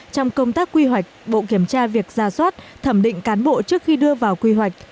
trong công tác quy hoạch bộ kiểm tra việc ra soát thẩm định cán bộ trước khi đưa vào quy hoạch